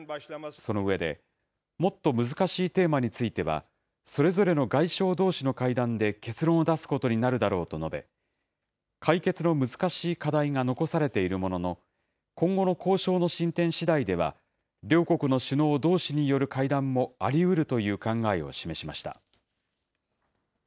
その上で、もっと難しいテーマについては、それぞれの外相どうしの会談で結論を出すことになるだろうと述べ、解決の難しい課題が残されているものの、今後の交渉の進展しだいでは、両国の首脳どうしによる会談もありうるという考えを示しました。